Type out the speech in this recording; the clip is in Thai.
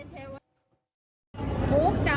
ได้รับโทษของเขาแล้ว